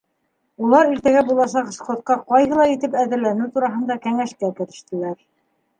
Улар иртәгә буласаҡ сходҡа ҡайһылай итеп әҙерләнеү тураһында кәңәшкә керештеләр.